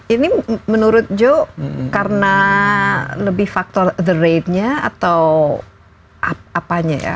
ini menurut joe karena lebih faktor the ratenya atau apanya ya